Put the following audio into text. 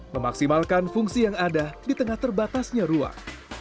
memaksimalkan fungsi yang ada di tengah terbatasnya ruang